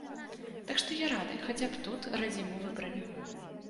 Так што я рады, хаця б тут радзіму выбралі.